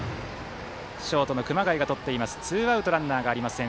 ショートの熊谷がとってツーアウトランナーがありません。